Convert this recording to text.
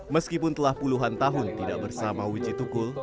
meskipun telah puluhan tahun tidak bersama wijitukul